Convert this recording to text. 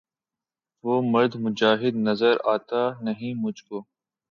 وہ مرد مجاہد نظر آتا نہیں مجھ کو